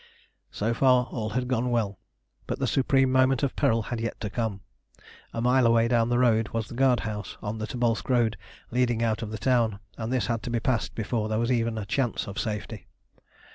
So far all had gone well, but the supreme moment of peril had yet to come. A mile away down the road was the guard house on the Tobolsk road leading out of the town, and this had to be passed before there was even a chance of safety.